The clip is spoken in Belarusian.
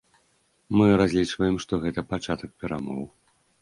Мы разлічваем, што гэта пачатак перамоў.